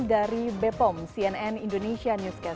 dari bepom cnn indonesia newscast